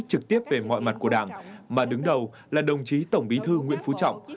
trực tiếp về mọi mặt của đảng mà đứng đầu là đồng chí tổng bí thư nguyễn phú trọng